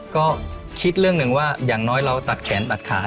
ก็คิดเรื่องหนึ่งว่าอย่างน้อยเราตัดแขนตัดขา